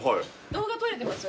動画撮れてます？